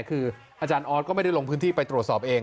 คืออาจารย์ออสก็ไม่ได้ลงพื้นที่ไปตรวจสอบเอง